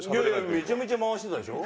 めちゃめちゃ回してたでしょ？